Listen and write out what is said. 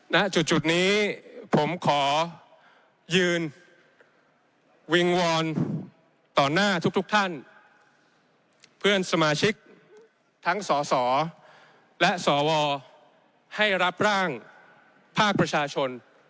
ณจุดนี้ผมขอยืนวิงวอนต่อหน้าทุกท่านเพื่อนสมาชิกทั้งสสและสวให้รับร่างภาคประชาชน